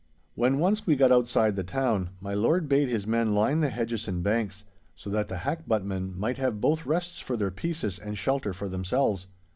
When once we got outside the town, my lord bade his men line the hedges and banks, so that the hackbuttmen might have both rests for their pieces and shelter for themselves.